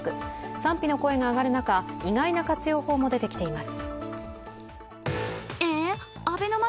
賛否の声が上がる中意外な活用法も出てきています。